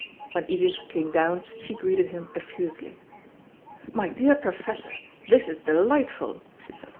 When Edith came down she greeted him effusively. "My dear Professor, this is delightful," she said.